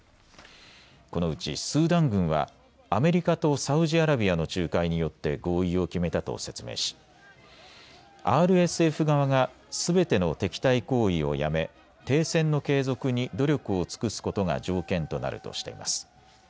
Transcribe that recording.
このうちスーダン軍はアメリカとサウジアラビアの仲介によって合意を決めたと説明しＲＳＦ側がすべての敵対行為をやめ停戦の継続に努力を尽くすことが条件となるとしています。